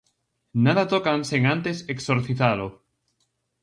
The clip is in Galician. Nada tocan sen antes exorcizalo.